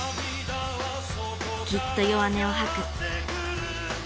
きっと弱音をはく。